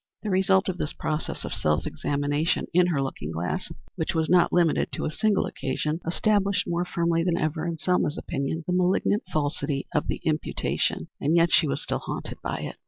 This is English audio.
The result of this process of self examination in her looking glass, which was not limited to a single occasion, established more firmly than ever in Selma's opinion the malignant falsity of the imputation, and yet she was still haunted by it.